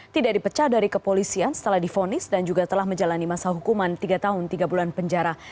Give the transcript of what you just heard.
tidak dipecah dari kepolisian setelah difonis dan juga telah menjalani masa hukuman tiga tahun tiga bulan penjara